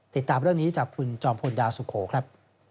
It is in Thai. ติดตามเรื่องนี้จากคุณจอมพลดาวสุโขครับ